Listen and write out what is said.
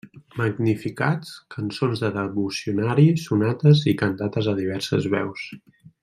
Magnificats, cançons de devocionari, sonates, i cantates a diverses veus.